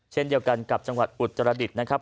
เช่นเดียวกันกับจังหวัดอุตรดิษฐ์นะครับ